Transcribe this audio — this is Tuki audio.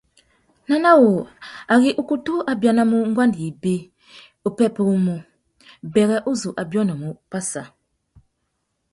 Nana wu, ari ukutu a bianamú nguêndê ibi, upwêpwê mú : Berra uzu a biônômú mú Passa.